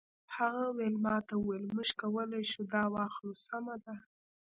هغه ویلما ته وویل موږ کولی شو دا واخلو سمه ده